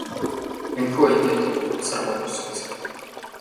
Энэхүү энергийг ухамсар буюу сүнс гэнэ.